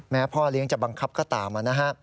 แม้พ่อเลี้ยงจะบังคับก็ตาม